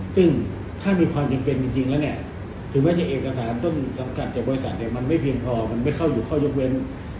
ซึ่งถ้ามีความจำเป็นจริงแล้วเนี่ยถึงแม้จะเอกสารต้นสังกัดจากบริษัทมันไม่เพียงพอมันไม่เข้าอยู่ข้อยกเว้น